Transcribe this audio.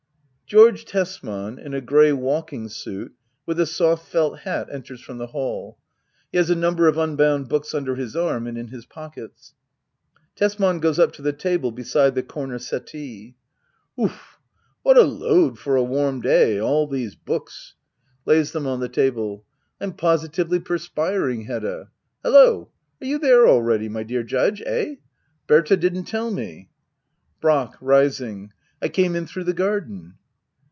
George Tesman, in a grey walking suit, with a soft felt hat, enters from the hall. He has a number of unbound books under his arm and in his pockets, Tesman. \Goes up to the table beside the comer settee,] Otu— what a load for a warm day — all these books. Digitized by Google ACT II.] HBDDA OABLBR. 73 riroyi them on the table,'] I'm positively persf^ring, Hedda. Hallo — ^are you there already^ my dear Judge ? Kh ? Berta didn't tell me. Brack. [Rising,'] I came in through the garden.